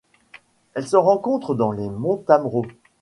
Elle se rencontre dans les monts Tamrau.